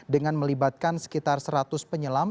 dengan melibatkan sekitar seratus penyelam